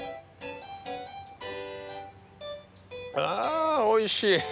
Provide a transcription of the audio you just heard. あおいしい。